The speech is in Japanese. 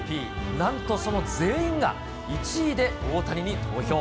なんとその全員が１位で大谷に投票。